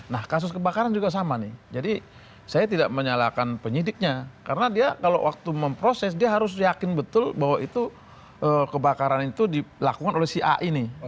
nah kasus kebakaran juga sama nih jadi saya tidak menyalahkan penyidiknya karena dia kalau waktu memproses dia harus yakin betul bahwa itu kebakaran itu dilakukan oleh si a ini